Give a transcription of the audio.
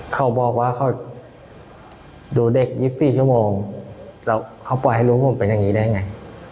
เขาบอกว่าเขาดูเด็ก๒๔ชั่วโมงแล้วเขาปล่อยให้ลูกผมเป็นอย่างนี้ได้ไง